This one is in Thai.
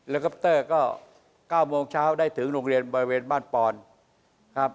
คอปเตอร์ก็๙โมงเช้าได้ถึงโรงเรียนบริเวณบ้านปอนครับ